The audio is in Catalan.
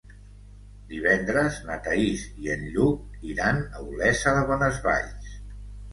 Divendres na Thaís i en Lluc iran a Olesa de Bonesvalls.